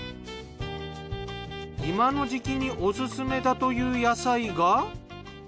今の時期におすすめだという野菜が。